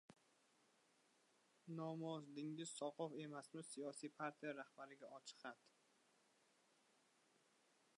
Nomzodingiz soqov emasmi? Siyosiy partiyalar rahbarlariga ochiq xat